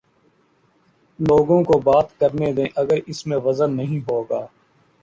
لوگوں کو بات کر نے دیں اگر اس میں وزن نہیں ہو گا۔